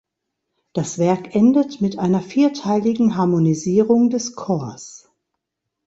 Das Werk endet mit einer vierteiligen Harmonisierung des Chors.